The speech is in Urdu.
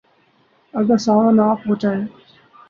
اگر ساون آن پہنچا ہے۔